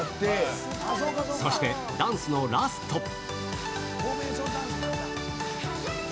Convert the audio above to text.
そして、ダンスのラスト。